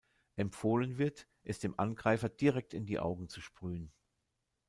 Empfohlen wird, es dem Angreifer direkt in die Augen zu sprühen.